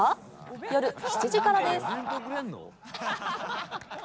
夜７時からです。